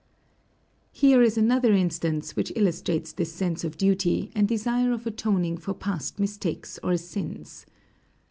Here is another instance which illustrates this sense of duty, and desire of atoning for past mistakes or sins.